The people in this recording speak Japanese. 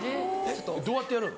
どうやってやる？